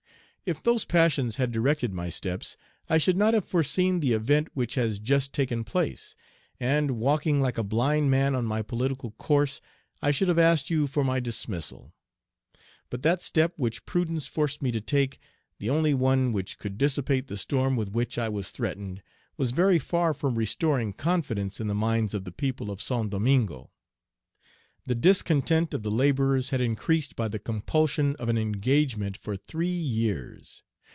If those passions had directed my steps, I should not have foreseen the event which has just taken place; and, walking like a blind man on my political course, I should have asked you for my dismissal. "But that step which prudence forced me to take, the only one which could dissipate the storm with which I was threatened, Page 98 was very far from restoring confidence in the minds of the people of Saint Domingo. The discontent of the laborers had increased by the compulsion of an engagement for three years.